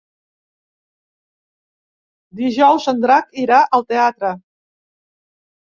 Dijous en Drac irà al teatre.